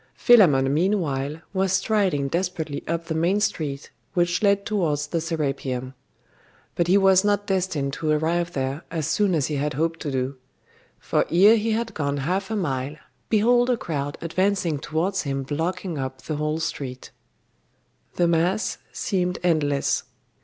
Philammon meanwhile was striding desperately up the main street which led towards the Serapeium. But he was not destined to arrive there as soon as he had hoped to do. For ere he had gone half a mile, behold a crowd advancing towards him blocking up the whole street. The mass seemed endless.